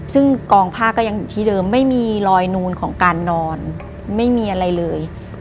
ซึ่งกองผ้าก็ยังอยู่ที่เดิมไม่มีรอยนูนของการนอนไม่มีอะไรเลย